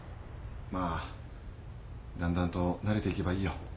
まあだんだんと慣れていけばいいよ。